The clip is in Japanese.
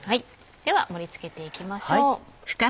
では盛り付けていきましょう。